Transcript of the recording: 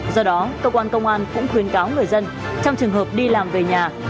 do đó cơ quan công an cũng khuyến cáo người dân trong trường hợp đi làm về nhà